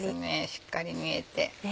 しっかり煮えて。